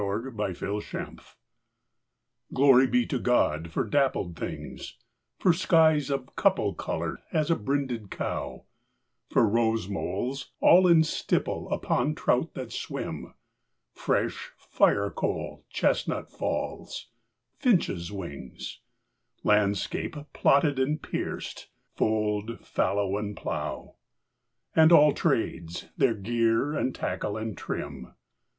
13 Pied Beauty GLORY be to God for dappled things For skies of couple colour as a brinded cow; For rose moles all in stipple upon trout that swim: Fresh firecoal chestnut falls; finches' wings; Landscape plotted and pieced fold, fallow, and plough; And àll tràdes, their gear and tackle and trim.